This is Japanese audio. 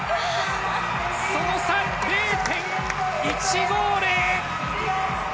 その差０．１５０！